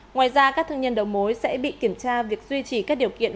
ngoài ra các thương nhân đầu mối sẽ bị kiểm tra việc duy trì các điều kiện